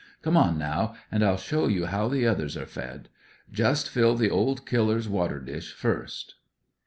Come on now, and I'll show you how the others are fed. Just fill old Killer's water dish first."